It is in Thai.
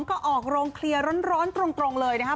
ก็ออกโรงเคลียร์ร้อนตรงเลยนะครับ